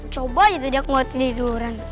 coba aja tadi aku gak tiduran